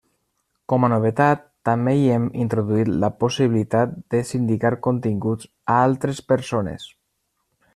Com a novetat, també hi hem introduït la possibilitat de sindicar continguts a altres persones.